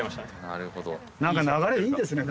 なるほどなんか流れいいですね